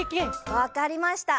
わかりました。